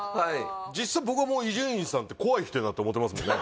実際僕はもう伊集院さんって怖い人やなと思うてますもんね